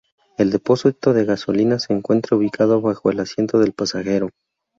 El depósito de gasolina se encuentra ubicado bajo el asiento del pasajero.